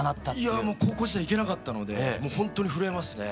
いやもう高校時代行けなかったのでもうほんっとに震えますね。